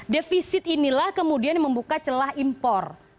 defisit inilah kemudian yang membuka celah impor